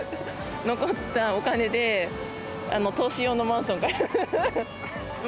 残ったお金で投資用のマンションを買う。